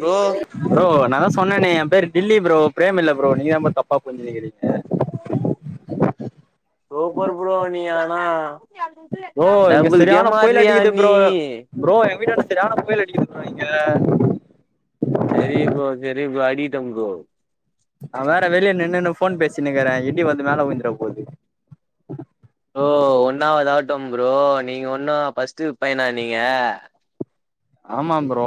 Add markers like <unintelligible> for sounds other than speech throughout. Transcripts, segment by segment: bro bro நா தா சொன்னனே என் பேரு டில்லி ப்ரோ பிரேம் இல்ல ப்ரோ நீ தா தப்பா புஞ்சுனிக்கிறீங்க சூப்பர் ப்ரோ நீ ஆனா ப்ரோ இங்க டபுள் கேம் சரியான புயல் ஆடுறியா அடிக்குது நீ ப்ரோ ப்ரோ எங்க வீட்டான்ட சரியான புயல் அடிக்குது ப்ரோ இங்க செரி ப்ரோ செரி ப்ரோ அடிட்ட ப்ரோ அவ வேற வெளிய நின்னுனு ஃபோன் பேசின்னிக்குறா இடி வந்து மேல உழுந்துற போது ஓ ஒன்னாவது ஆகட்டு ப்ரோ நீங்க ஒன்னு ஃபர்ஸ்ட் பையனா நீங்க ஆமா ப்ரோ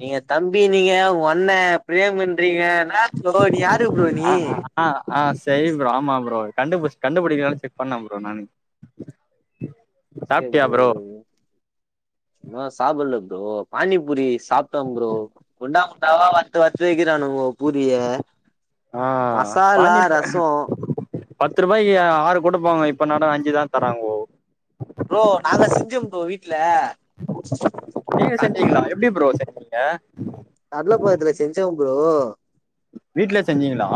நீங்க தம்பி நீங்க ஒன்ன பிரேம்ன்றீங்க நாச்சு ப்ரோ நீ யாரு ப்ரோ நீ ஆ ஆ ஆ செரி ப்ரோ ஆமா ப்ரோ கண்டுபுடிச் கண்டுபிடிக்கிதா செக் பண்ண ப்ரோ நானு ஓகே ப்ரோ ஓகே ப்ரோ நா சாப்பல்ல ப்ரோ பானிபுரி சாப்டே ப்ரோ குண்டா குண்டாவா வறுத்து வத்றுத விக்கிறானுங்கோ பூரியா ஆ மசாலா பானி ரசோ பத்து ருபாய்க்கி ஆறு குடுப்பங்கோ இப்ப எனடா அஞ்சுதா தாரங்கோ ப்ரோ நாங்க செஞ்சோ ப்ரோ வீட்ல நீங்க செஞ்சீங்ளா எப்டி ப்ரோ செஞ்சீங்க கடல கொளதுல செஞ்ச ப்ரோ வீட்ல செஞ்சீங்ளா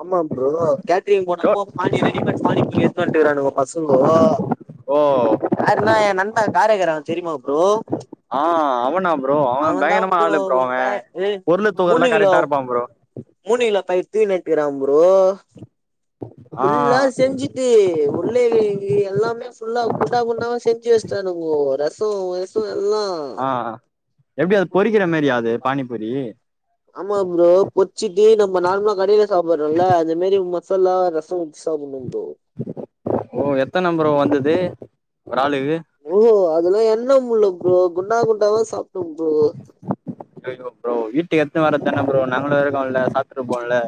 ஆமா ப்ரோ கேட்ரிங் போனப்போ பானி ரெடிமேட் பானிபூரி எத்துனு வந்ட்ருக்காணுங்கோ பசங்கோ ஓ யாருனா எ நண்பே காரைகாரே தெரியுமா ப்ரோ ஆ அவனா ப்ரோ அவன் அவதா பயங்கரமா ப்ரோ ஆளு ஒரு பே அவன் ஏ பொருள தூக்கறதுலா மூணு கிலோ கரெக்டா இருப்பான் ப்ரோ மூணுகிலோ பயிர் எத்து நட்டுக்குறா ப்ரோ ஆ ஃபுல்லா செஞ்சு யே உள்ளே வெளியே எல்லாமே ஃபுல்லா குண்டா குண்டாவா செஞ்சு வெச்டானுங்கோ ரசசோ வெ எல்லா ஆ எப்டி அது பொறிக்கிற மாரியா அது பானிபூரி ஆமா ப்ரோ பொச்சிட்டு நம்ம நார்மலா கடைல சாப்பட்றோல அந்த மாரி மசாலா ர சோ ஊத்தி சாப்பட்னு ப்ரோ ஓ எத்தன் நம்பரு வந்தது ஒரு ஆளுகு ப்ரோ அதெல்லா எண்ண முள்ள ப்ரோ குண்டா குண்டாவா சாப்ட்டோ ப்ரோ ஐய்யோ ப்ரோ வீட்டுக் எட்டு வரத்தான ப்ரோ நாங்களு இருக்கோல சாப்ட்ருபோல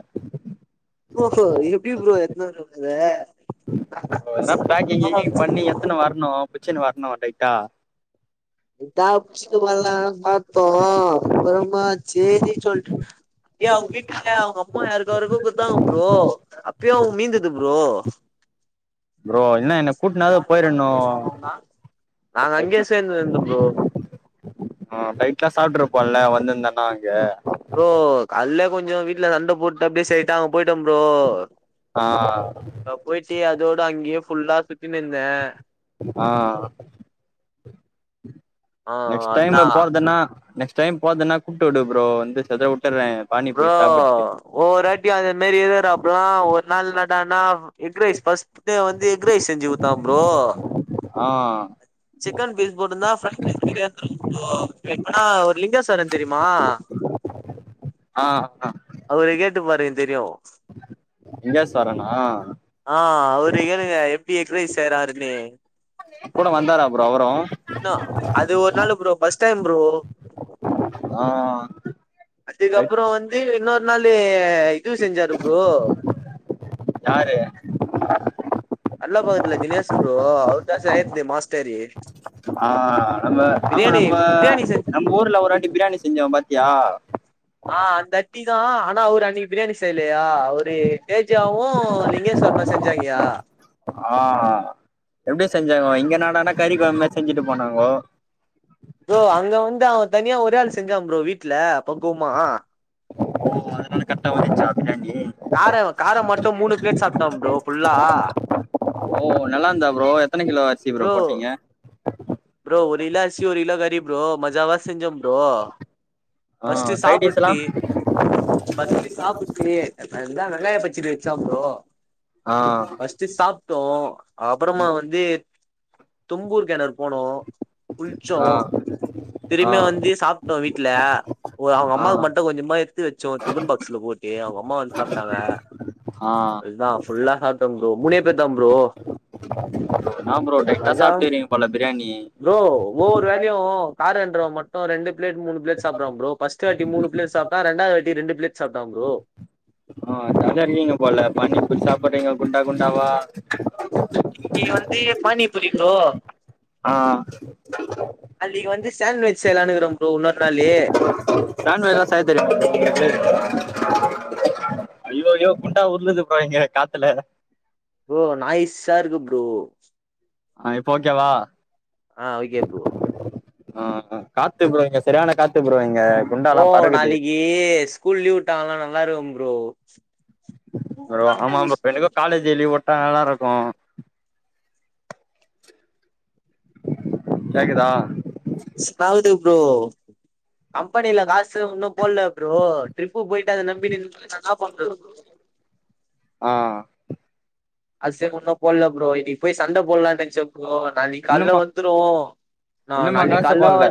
ஓஹோ இது எப்டி ப்ரோ எத்னு வரது எதுனா பேக்கிங் கீக்கிங் பண்ணி எத்துனு வர்ணு புச்சுன்னு வர்ணு டைட்டா தா பிச்சிகு கூடாதுனா பாதோ அப்பறமா சேரி சொல்ட் ஏ அவுங்க வீட்ல அவுங்க அம்மா யாருக்கு யாருக்கோ குத்தாங்க ப்ரோ அப்பயு அவுங்க மீந்தது ப்ரோ ப்ரோ என்ன என்ன கூட்டுனாது போய்ற்கனோ நாங்க அங்கே சேந்திருதே ப்ரோ ஆ டைட்டா சாப்ட்ருப்போல வந்திருந்தன்னா அங்க ப்ரோ கால்லே கொஞ்சோ வீட்ல சண்ட போட்டு அப்டியே செய்ட்டா அங்க போய்ட்டே ப்ரோ ஆ அ போய்ட்டு அதோடு அங்கயே ஃபுல்லா சுத்தின் இருந்தே ஆ ஆ நெக்ஸ்ட் டைம்மு அதா போறதுன்னா நெக்ஸ்ட் டைம் போற்துன்னா கூப்ட்டுவிடு ப்ரோ வந்து செதர உட்டற்றே பானிபூரி சாப்புட்டு ஒவ்வொராட்டியு அதே மாரி எதோறு அப்புல்லா ஒரு நாள் இன்னடானா எக்ரைஸ் ஃஸ்ட்டே வந்து எக்ரைஸ் செஞ்சு குத்தா ப்ரோ ஆ சிக்கன் பீஸ் போட்ருந்தா ஃப்ரைட் ரைஸ் மாரியே இருந்துருக்கு ப்ரோ இப்பனா லிங்கேஸ்வரன் தெரிமா ஆ ஆ அவர கேட்டு பாருங்க தெரியு விங்கேஸ்வரணா ஆ அவர கேளுங்க எப்டி எக்ரைஸ் செய்றாருன்னு கூட வந்தாரா ப்ரோ அவரு இன்னு அது ஒரு நாளு ப்ரோ ஃபர்ஸ்ட் டைம் ப்ரோ ஆ அதுக்கப்புற வந்து இன்னொரு நாள் இது செஞ்சாரு ப்ரோ யாரு அள்ள பாகத்தில தினேஷ் ப்ரோ அவர் தா செயறது மாஸ்டரு ஆ நம்ம ஆமா பிரியாணி நம்ம பிரியாணி நம்ம ஊர்ல ஒரு வாட்டி செஞ் பிரியாணி செஞ்சோ பாத்தியா ஆ அந்த அட்டி தா ஆனா அவரு அன்னைக்கு பிரியாணி செய்லையா அவரு அப்டி தேஜாவு லிங்கேஸ்வரனு செஞ்சாங்கயா ஆ எப்டி செஞ்சாங்கோ இங்க என்னடானா கறி கொழம்பு மாரி செஞ்சுட்டு போனாங்கோ ப்ரோ அங்க வந்து அவன் தனியா ஒரே ஆள் செஞ்சான் ப்ரோ வீட்ல பக்குவமா ஓ அதனால கரெக்டா வந்துச்சா பிரியாணி கார காரம் மட்டும் மூணு பிளேட் சாப்டான் ப்ரோ ஃபுல்லா ஓ நல்லா இருந்தா ப்ரோ எத்தன கிலோ அ ப்ரோ ப்ரோ ஒரு கிலோ அரிசி ஒரு கிலோ கறி ப்ரோ மஜாவா செஞ்சோம் ப்ரோ ஆ ஃபஸ்ட்டு சைட் டிஷ்லா சாப்டுட்டு ஃபஸ்ட்டு சாப்புட்டு அப்றந்தா வெங்காய பச்சடி வச்சான் ப்ரோ ஆ ஃபஸ்ட் சாப்டோ அப்றமா வந்து தும்பூர் கிணறு போனோ குளிச்சோ ஆ ஆ திரும்பயு வந்து சாப்டோ வீட்ல அப்றோ அவுங்க ஆ அம்மாவுக்கு மட்டும் கொஞ்சமா எடுத்து வச்சம் டிஃபன் பாக்ஸ்ல போட்டு அவங்க அம்மா வந்து சாப்டாங்க ஆ அதுதா ஃபுல்லா சாப்டே ப்ரோ மூணே பேரு தா ப்ரோ ஆம் ப்ரோ டைட்டா மஜா சாப்ட்டு இருக்றீங்க போல பிரியாணி ப்ரோ ஒவ்வொரு வேளயு காரன்டிறவன் மட்டும் ரெண்டு பிளேட் மூணு பிளேட் சாப் றான் ப்ரோ ஃபஸ்ட்டு வாட்டி மூணு பிளேட் சாப்டா ரெண்டாவது வாட்டி ரெண்டு பிளேட் சாப்டான் ப்ரோ ஆ ஜாலியா இருக்கீங்க போல பானிபூரி சாப்புட்றீங்க குண்டா குண்டாவா தீய பானிபூரி ப்ரோ ஆ நாளைக்கு வந்து சாண்ட்வச் செயலானுருக்கிறன் ப்ரோ இன்னொரு நாளு சாண்விச் எல்லா செய்ய தெரியுமா ப்ரோ உங்களுக்கு ஐயோ ஐயோ குண்டா உருளுது ப்ரோ இங்க காத்துல ப்ரோ நாய்ஸா இருக்கு ப்ரோ ஆ இப்ப ஓகேவா ஆ ஓகே ப்ரோ ஆ காத்து ப்ரோ இங்க சரியான காத்து ப்ரோ இங்க ப்ரோ குண்டாலா பறக்குது நாளைக்கி ஸ்கூல் லீவ் விட்டாங்கன்னா நல்லா இருக்கும் ப்ரோ ப்ரோ ஆமாம் ப்ரோ எனக்கு காலேஜ் லீவ் உட்டா நல்லா இருக்கு கேக்குதா ஸாவுது ப்ரோ கம்பெனில காசு இன்னு போட்ல ப்ரோ ட்ரிப்பு போயிட்டு அத நம்பிட்டு இருந்தா என்னா பண்றது ஆ காசே ஒன்னு போட்ல ப்ரோஇன்னைக்கு போய் சண்ட போட்லானு நெனச்சே ப்ரோ நாளைக்கு கால்ல இன்னுமா வந்துரு நான் இன்னுமா நாளைக்கு காசு கால்ல வ போட்ல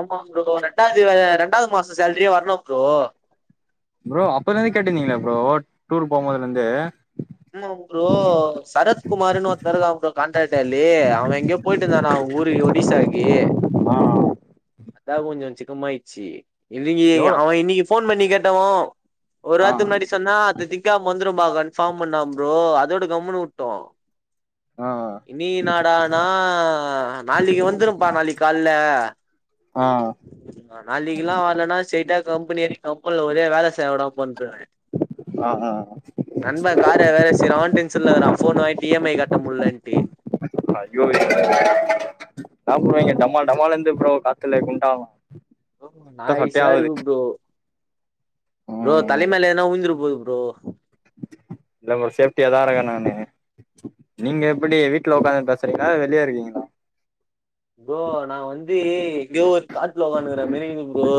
ஆமா ப்ரோ ரெண்டாஞ்சு வேற ரெண்டாவது மாச சேல்ரியே வரணு ப்ரோ ப்ரோ அப்பலருந்து கேட்டிருந்தீங்களே ப்ரோ டூர் போம்போதுலருந்து ஆமா ப்ரோ சரத்குமார்னு ஒருத்தர் அவ்ங்க காண்டாக்ட்டாலி அவே எங்க போயிட்டு இந்தானா அவ்ங்க ஊரு ஒடிசாக்கு மா அதா கொஞ்சோ சிக்கமாயிடுச்சி இன்னக்கி எவ்ளோ அவே இன்னைக்கி போன் பண்ணி கேட்டோ ஒரு வாரத்துக்கு ஆ முன்னாடி சொன்னா இந்த திங்காம் வந்துடும்பா கன்பார்ம்ன்னா ப்ரோ அதோட கம்முன்னு விட்டோ ஆ இன்னி என்னாடன்னா நாளிக்கீ வந்துரும்பா நாளிக்கி கால்ல ஆ நாளிக்கீ எல்லா வர்லன்னா ஸ்டிரைட்டா கம்பெனி வர கப்பல்ல ஒரே வேல செய்ய விடாம பண்ருவே ஆ ஆ நண்பன் கார வேற ஸ்ரவ்டிங்ஸ்ல விடுறா போன்ன வாங்கிட்டு இ ம் ஐ கட்ட முடியலன்ட்டு அய்யய்யோ சாப்டுவாங்கே டமால் டமாலன்து ப்ரோ காத்துல குண்டாவாம் நாயிசா இருக்கு ப்ரோ ப்ரோ தலே மேலே எதுன்னா உழுந்துர போது ப்ரோ இல்ல ப்ரோ சேஃப்டியாதா ருக்கே நானு நீங்க எப்டி வீடல உட்காந்து பேசுறீங்களா வெளியே இருக்கீங்களா ப்ரோ நா வந்து எங்கயோ காட்டுல உகானுங்கிற மேனி இருக்கு ப்ரோ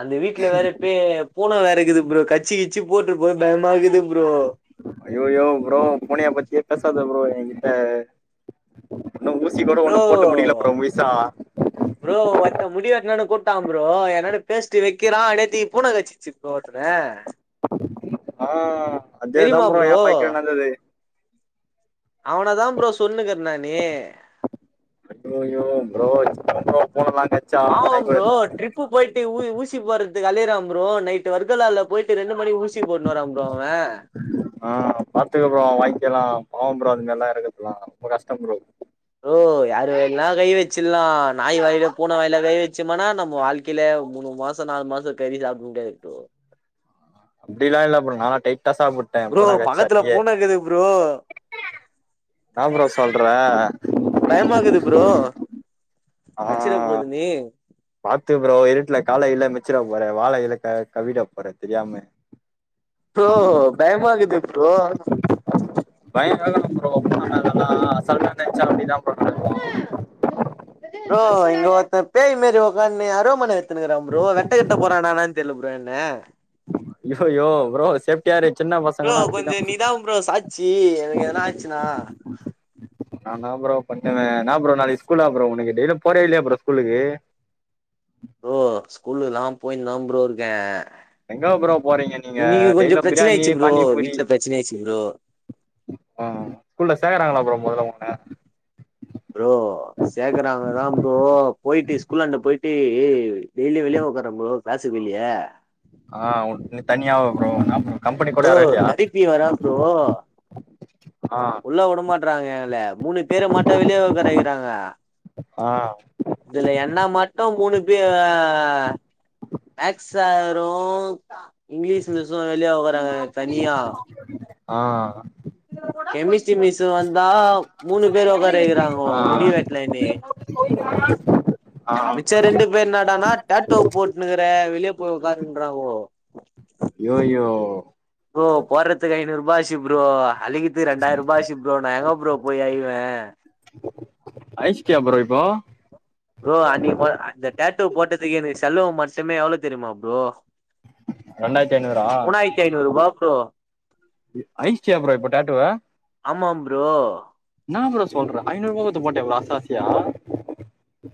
அந்த வீட்டுல வேற பே பூன வேறக்கீது ப்ரோ கச்சி கிச்சு போட்டுற போது பயமாகுது ப்ரோ அயோயோ ப்ரோ புனைய பத்தியே பேசாத ப்ரோ ஏங்கிட்ட இன்னு ஊசி கூட ப்ரோ ஒன்னும் போட்டு முடிக்கல ப்ரோ முழ்‌சா <inaudible> ப்ரோ ஒர்த்தே முடி வெட்டனுன்னு கூப்ட்டா பரோ என்னோட பேசிட்டு வெக்கிறான் நேத்தி பூன கச்சிச்சு ப்ரோ அவ்ன ஆ அதேதா ப்ரோ என் வாய்கைல நடந்தது அவன தா ப்ரோ சொன்னுக்ர நீ ஐய் ஐயய்யோ ப்ரோ பூனைலாம் கடிச்சா பாவோ ப்ரோ <unintelligible> ட்ரிப்பு போயிட்டு ஊசி போறதுக்கு அலையறாம் ப்ரோ நைட்டு வர்க்கலால போயிட்டு ரெண்டு மணி ஊசி போடனுன்றாம் பரோ அவே ஆ பாத்துக்க ப்ரோ அவ் வாங்கிக்கலாம் பாவோ ப்ரோ அது ங்க ல்லாம் இறக்கதுலாம் ரொம்ப கஷ்டோ ப்ரோ ப்ரோ யாரு வேண்ணா கை வச்சிர்லாம் நாய் வாயில பூன வாயல கை வச் நிச்சம் ஆனா நம்ம வாழ்கேல மூணு மாசோ நாலு மாசோ கறி சாப்ட முடியாது ப்ரோ அப்டிலாம் இல்ல ப்ரோ நானா டைட்டா சாப்டு ப்ரோ பக்கத்துல பூனக்குது ப்ரோ ன்னா ப்ரோ சொல்ற பயமாகுது ப்ரோ ஆ அச்சிர போது நீ பாத்து ப்ரோ இருட்டுல கால கீல மிதிச்சிட போற வால கீல கவ்விட போற தெரியாம ப்ரோ பயமாருக்குது ப்ரோ பய வேகனு ப்ரோ புன மேல ல்லா அசால்டா நெனச்சா அப்டி தா ப்ரோ நடக்கும் ப்ரோ இங்க ஒர்த்தே பேய் மாறி உக்கான்டு அருவாமன எத்துனுங்கிறா ப்ரோ வெட்ட கிட்ட போற நானான்னு தெரியல ப்ரோ என்ன யோயோ ப்ரோ சேஃப் ட்டியாயிரு சின்ன ப்ரோ பசங்களாம் கொஞ்சோ அப்டிதான் நீதா ப்ரோ சாட்சி எனக்கு எதனா ஆச்சுன்னா நாந்தான் ப்ரோ பட்டவே ன்னா ப்ரோ நாளைக்கு ஸ்கூலா ப்ரோ உனக்கு டெய்லியு போறியா இல்லையா ப்ரோ ஸ்கூல்கு ப்ரோ ஸ்கூல்கு ல்லாம் போய்னுதா ப்ரோ இர்க்கேன் எங்க ப்ரோ போறீங்க நீங்க இன்னிக்கு கொஞ்சோ டெய்லி ப்ரச்சன பிரியாணி ஆய்ச்சு ப்ரோ வீட்ல ப்ரச்ன ஆய்ச்சு பரோ ம் ஸ்கூல்ல சேக்றாங்ளா ப்றோ முதல்ல உன்ன ப்ரோ சேக்கறாங்கதா ப்றோ போய்ட்டி ஸ்கூலாண்ட போய்ட்டே ஏ டெய்லியு வெளியே உக்காறே ப்ரோ ராசுக்குல்யே ஆ உன் னு தனியாவா ப்றோ நாம்போ கம்பனி கூட ப்ரோ யாரு இல்யா தெரப்பி வரே ப்ரோ உள்ள விடுமாட்றாங்க எல மூணு பேர மட்டு வெளியே உக்கார வைறாங்க ஆ இதுல என்னா மட்டு மூணு பே ஆ மேக்ஸ் சாரு இங்க்லீஸு ஜு வெளிய உக்காறாங்க தனியா ஆ கெமிஸ் சிம் மிஸ்ஸு வந்தாவ் மூணு பேர உக்காரவைக்கிறாங்கோ முடி வெட்லேன்னு ஆ மிச்ச ரெண்டு பேர் என்னாடானா டாட்டோவ் போட்னுக்கற வெளிய போய் உக்காருன்றாங்கோ யோ யோ ப்ரோ போறத்துக்கு ஐநூருபா ஆச்சி ப்ரோ அலிகுத் தி ரெண்டாய்ருபா ஆச்சி ப்ரோ நா எங்க ப்ரோ போய் அயிவே அய்சிட்டியா ப்ரோ இப்போ ப்ரோ அன்னிக் போல் அந்த டேட்டூ போட்டதுக்கே எனக்கு செல்வம் மட்டுமே எவ்ளோ தெரிமா ப்ரோ ரெண்டாய்த்தி ஐநூறா தி ஐநூறு ருபாக்கோ இ அய்ச்சியா ப்ரோ இப்ப டாட்டூவ ஆமாம் ப்ரோ என்னா ப்ரோ சொல்ற ஐநூறுபா கொத்து போட்டே வ்லாசாஸ்யா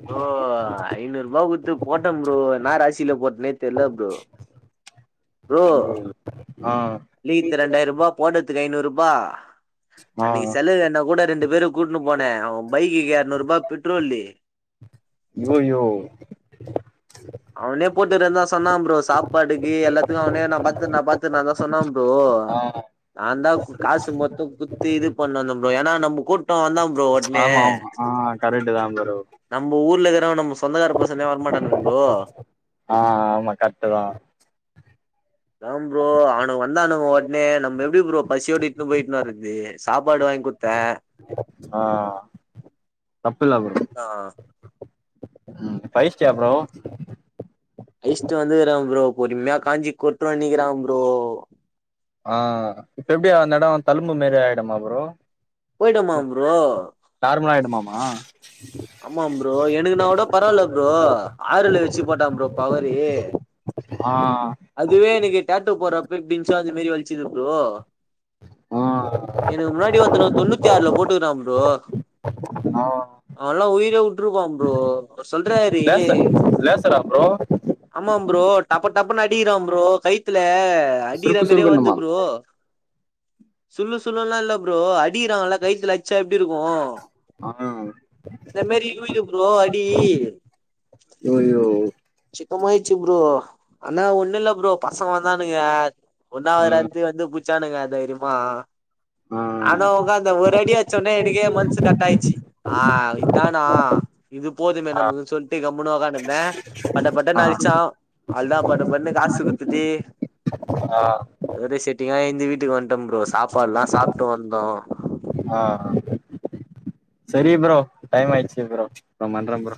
ப்ரோ ஐநூருபா குட்த்து போட்டன் ப்ரோ என்னா ராசில போட்னே தெர்ல ப்ரோ ஓ ஆ லீத் ரெண்டாய்ருபா போடத்துக்கு ஐநூருபா ஆ அன்னைக்கு செலவு என்னா கூட ரெண்டு பேரு கூட்னு போனே அவ பைக்குக்கு யர்நூருபா பெட்ரோல்லு யோ யோ அவ்னே போட்டுறே தா சொன்னா ப்ரோ சாப்பாடுக்கு எல்லாத்துக்கு அவ்னே நா பாத்துக்குர் பாத்து நா தா சொன்ன ப்ரோ ஆவ் நான்தா கு காசு மொத்தோ குத்தி இது பண்ணோ அந்து ப்ரோ ஏன்னா நம்ப கூட்டோ அவந்தா ப்ரோ ஒட்னே கரட்டுதா ப்ரோ நம்ப ஊர்ல இருக்குறவ் நம்ப சொந்தக்கார பசனே வர்மாட்டானுங் ப்ரோ ஆ ஆமா கரெக்ட் தா தா ப்ரோ அவ்னு வந்தானுகோ வோட் ணே நம் எப்டி ப்ரோ பசியோட இட்னு போய்ட்னு வருது சாப்பாடு வாய் குத்தே ஆ தப்பில்லா ப்ரோ ஆ பைஸ்ட்டியா ப்ரோ ஐஸ்ட் வந்துக்குறா ப்ரோ பொறும்யா காஞ்சி கொட்டுவன்னிக்கிறான் ப்ரோ ஆ இப்ப எப்டி அந்த எடோ தழும்பு மாறி ஆய்டுமா ப்ரோ போய்டுமா ப்ரோ தார்மலா ஆய்டுமாமா ஆமாம் ப்ரோ எனக்கு நா கூட பரவால்ல ப்ரோ ஆறுல வெச்சி போட்டான் ப்ரோ பவரே ஆ அதுவே எனக்கு டேட்டோ போடறப்ப எப்டின்னுச்சோ அது மாரி வலிச்சுது ப்ரோ ஆ எனக்கு முன்னாடி ஒருத்தனுக் தொண்ணூத்தி ஆறுல போட்டுக்கிறா ப்ரோ ஆ ஆ அவன்ல்லா உயிர உட்டுருப்பா ப்ரோ அவரு சொல்றாரு லேசர் லேசரா ப்ரோ ஆமா ப்ரோ டப்ப டப்பன்னு அடிக்கிறா ப்ரோ கைத்துல அடிகிற சுருக்கு மாரியே வருது சுருக்குன்னுமா ப்ரோ சுல்லு சுல்லுல்லா இல்ல ப்ரோ அடிறாங்கல்லா கைத்துல அடிச்சா எப்டி இருக்கு ஆ இந்த மாரி <unintelligible> ப்ரோ அடி யோ யோ சிக்கமாயிச்சி ப்ரோ ஆனா ஒண்ணு இல்ல ப்ரோ பசங்க வந்தானுங்க ஒன்னு ம் ஆவராத்து வந்து புட்ச்சானுங்க தைரியமா ஆ ஆனா ஒக்காந்த ஒரு அடி அட்ச்சோனே எனக்கே மனுசு கட்டாயிச்சு ஆ இதானா இது போதுமே நமக்குனு சொல்ட்டு கம்முனு ஒக்காந்து இருந்த பட பட ஆ அலிச்சா அவுள்தா பட படடுன்னு காசு குடுத்துட்டு ஆ ஒரே செட்டிங்கா ஏந்தி வீட்டுக்கு வந்ட்ட ப்ரோ சாப்பாடு எல்லா சாப்ட்டு வந்தோ ஆ ஆ சரி ப்ரோ டைம் ஆயச்சு ப்ரோ அப்றோ பண்ற ப்ரோ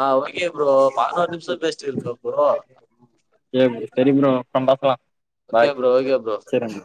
ஆஹ ஓகே ப்ரோ பதினாரு நிம்ஷோ பேஸ்ட்டு இருந்த ப்ரோ ச செரி ப்ரோ அப்றோ பாக்கலா okay bye bro okay bro சரி